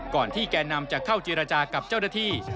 ก่อนที่แก่นำจะเข้าเจรจากับเจ้าหน้าที่